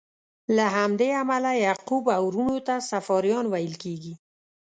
له همدې امله یعقوب او وروڼو ته صفاریان ویل کیږي.